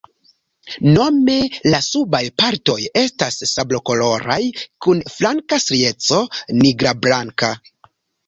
Nome la subaj partoj estas sablokoloraj kun flanka strieco nigrablanka.